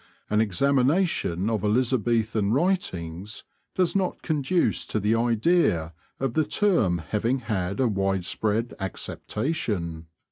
An examination of Elizabethan writings does not conduce to the idea of the term having had a widespread acceptation.